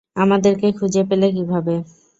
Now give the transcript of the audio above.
আমাদেরকে খুজে পেলে কিভাবে?